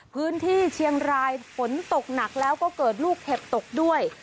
พื้นที่เชียงรายฝนตกหนักแล้วก็เกิดลูกเห็บตกด้วย